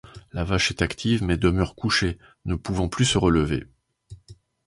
La vache est active, mais demeure couchée, ne pouvant plus se relever.